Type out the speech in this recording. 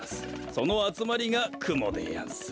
そのあつまりがくもでやんす。